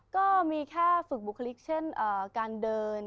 ก็มีแค่ฝึกบุคลิกเช่นการเดิน